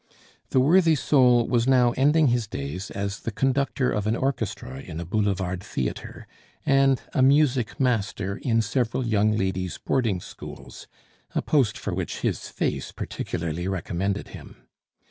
The worthy soul was now ending his days as the conductor of an orchestra in a boulevard theatre, and a music master in several young ladies' boarding schools, a post for which his face particularly recommended him.